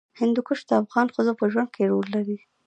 هندوکش د افغان ښځو په ژوند کې رول لري.